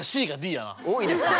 多いですね。